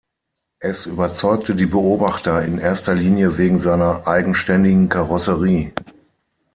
Es überzeugte die Beobachter in erster Linie wegen seiner eigenständigen Karosserie.